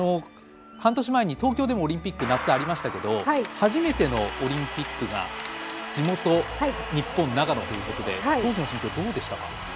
半年前に東京でもオリンピック、夏ありましたけど初めてのオリンピックが日本の地元・長野ということで当時の心境、どうでしたか？